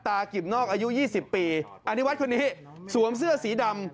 กิ่มนอกอายุ๒๐ปีอนิวัฒน์คนนี้สวมเสื้อสีดำ